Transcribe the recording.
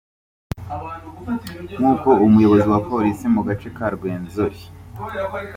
nk’uko Umuyobozi wa Polisi mu gace ka Rwenzori